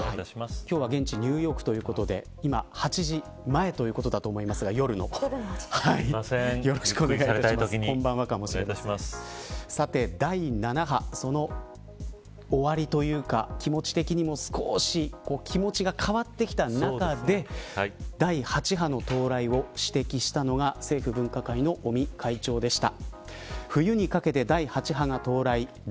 今日は現地ニューヨークということで今８時前ということだと思いますが、夜のさて、第７波その終わりというか気持ち的にも少し気持ちが変わってきた中で第８波の到来を指摘したのが政府分科会の尾身会長でした。